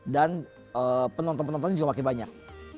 dan penonton penonton juga makin banyak